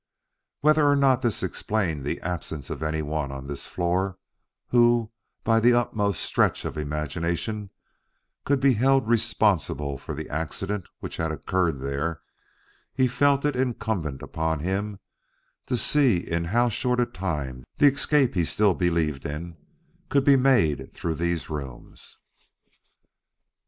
Whether or not this explained the absence of anyone on this floor who by the utmost stretch of imagination could be held responsible for the accident which had occurred there, he felt it incumbent upon him to see in how short a time the escape he still believed in could be made through these rooms.